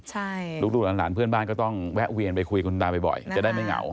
ใช่ลูกหลานเพื่อนบ้านก็ต้องแวะเวียนไปคุยคุณตาบ่อยจะได้ไม่เหงา